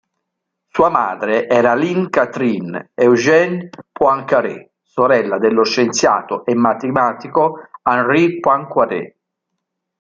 Sua madre era Aline Catherine Eugénie Poincaré, sorella dello scienziato e matematico Henri Poincaré.